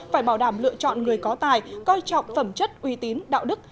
phải bảo đảm lựa chọn người có tài coi trọng phẩm chất uy tín đạo đức